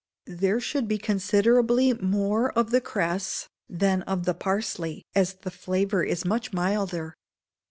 There should be considerably more of the cress than of the parsley, as the flavour is much milder.